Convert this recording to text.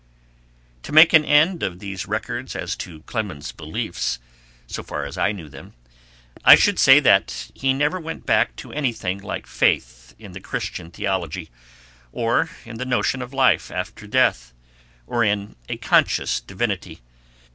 To make an end of these records as to Clemens's beliefs, so far as I knew them, I should say that he never went back to anything like faith in the Christian theology, or in the notion of life after death, or in a conscious divinity.